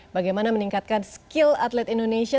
bagaimana meningkatkan skill atlet indonesia